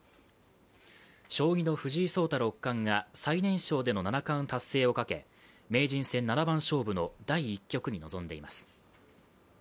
将棋の藤井聡太六冠が最年少での七冠達成をかけ、名人戦七番勝負の第１局に臨んでいます。